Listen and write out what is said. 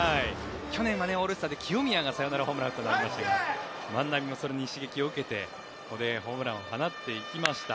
去年はオールスターで清宮がサヨナラホームランを打ちましたが万波もそれに刺激を受けてここでホームランを放っていきました。